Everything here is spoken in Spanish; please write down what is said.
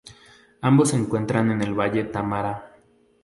Ambos se encuentran en el valle de Támara.